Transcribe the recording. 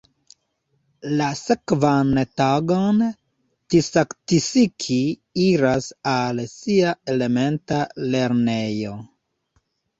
La sekvan tagon Tsatsiki iras al sia elementa lernejo.